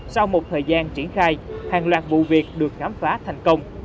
sau một thời gian triển khai hàng loạt vụ việc được khám phá thành công